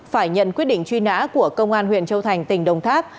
phải nhận quyết định truy nã của công an huyện châu thành tỉnh đồng tháp